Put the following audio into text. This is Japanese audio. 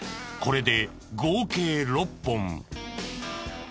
これで合計６本。